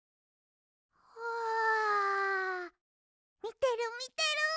みてるみてる。